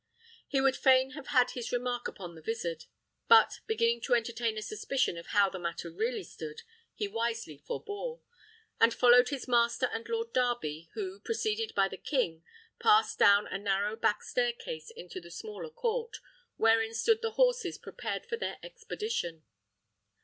He would fain have had his remark upon the vizard; but beginning to entertain a suspicion of how the matter really stood, he wisely forebore, and followed his master and Lord Darby, who, preceded by the king, passed down a narrow back staircase into the smaller court, wherein stood the horses prepared for their expedition.